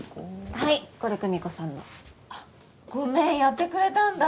はいこれ久美子さんの。あっごめんやってくれたんだ。